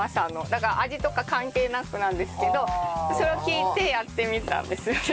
だから味とか関係なくなんですけどそれを聞いてやってみたんですよね。